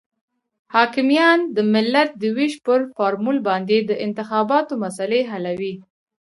حاکمیان د ملت د وېش پر فارمول باندې د انتخاباتو مسلې حلوي.